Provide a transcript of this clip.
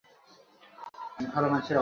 কোনো সাহায্য করতে পারি?